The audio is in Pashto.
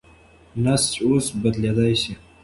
نسج اوس بدلېدلی دی.